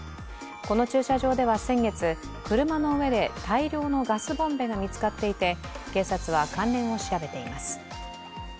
この駐車場では先月、車の上で大量のガスボンベが見つかっていて、警察は関連を調べています。